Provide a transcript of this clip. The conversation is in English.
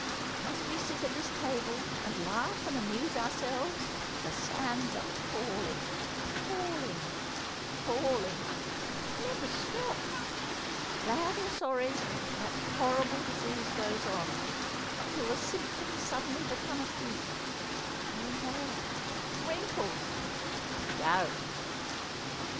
As we sit at this table and laugh and amuse ourselves, the sands are falling, falling, falling they never stop! Glad or sorry, that horrible disease goes on, till the symptoms suddenly become acute grey hair, wrinkles, gout."